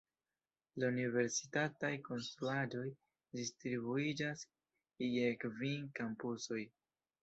La universitataj konstruaĵoj distribuiĝas je kvin kampusoj.